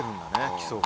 基礎が。